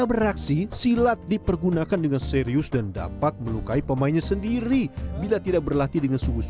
beraksi silat dipergunakan dengan serius dan dapat melukai pemainnya sendiri bila tidak berlatih dengan sungguh sunggu